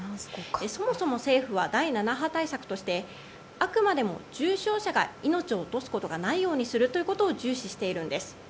そもそも政府は第７波対策としてあくまでも重症者が命を落とすことがないようにすることを重視しているんです。